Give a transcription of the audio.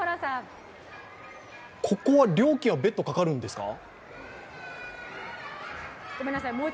ここは料金は別途かかるんですか？